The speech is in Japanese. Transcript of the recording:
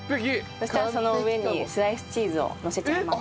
そしたらその上にスライスチーズをのせちゃいます。